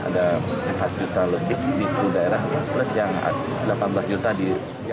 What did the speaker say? ada empat juta lebih di seluruh daerah plus yang delapan belas juta di